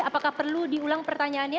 apakah perlu diulang pertanyaannya